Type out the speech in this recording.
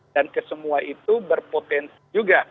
dan kesemua itu berpotensi juga